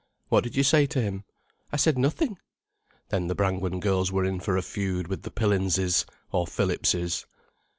"What did you say to him?" "I said nothing." Then the Brangwen girls were in for a feud with the Pillinses, or Phillipses.